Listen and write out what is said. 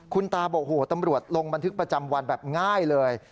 คุณตาบอกโหตำรวจลงบันทึกประจำวันแบบง่ายเลย